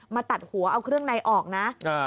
ตัดหัวเอาเครื่องในออกนะ